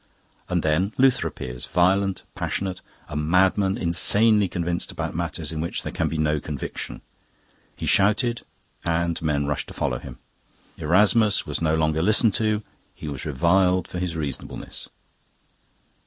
And then Luther appears, violent, passionate, a madman insanely convinced about matters in which there can be no conviction. He shouted, and men rushed to follow him. Erasmus was no longer listened to; he was reviled for his reasonableness.